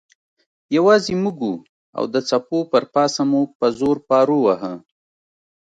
یوازې موږ وو او د څپو پر پاسه مو په زور پارو واهه.